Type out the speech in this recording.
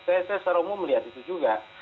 saya secara umum melihat itu juga